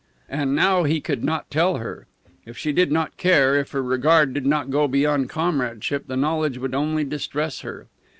And now he could not tell her. If she did not care, if her regard did not go beyond comradeship, the knowledge would only distress her.